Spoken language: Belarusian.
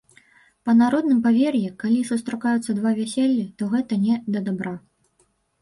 Па народным павер'і, калі сустракаюцца два вяселлі, то гэта не да дабра.